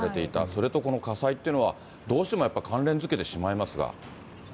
それとこの火災っていうのは、どうしてもやっぱり関連づけてしまいますが。